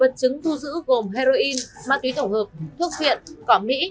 vật chứng thu giữ gồm heroin ma túy tổng hợp thuốc viện cỏ mỹ